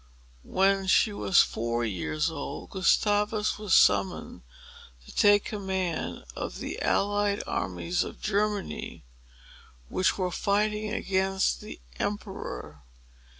When she was four years old, Gustavus was summoned to take command of the allied armies of Germany, which were fighting against the Emperor.